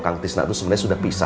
pengen sekali sekala mencari dia kan